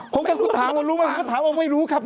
ผมกำลังถามว่ารู้ไหมผมก็ถามว่าไม่รู้ครับ